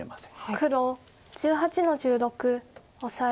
黒１８の十六オサエ。